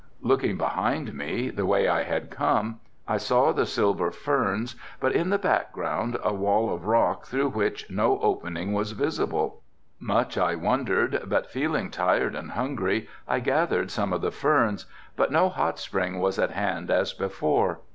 Looking behind me, the way I had come, I saw the silver ferns but in the background a wall of rock through which no opening was visible. Much I wondered, but being tired and hungry I gathered some of the ferns, but no hot spring was at hand as before.